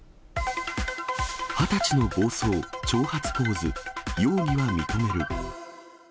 二十歳の暴走、挑発ポーズ、容疑は認める。